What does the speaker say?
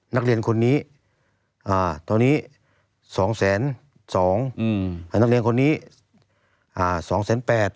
นักเรียนคนนี้ตรงนี้สองแสนสองนักเรียนคนนี้สองแสนแปด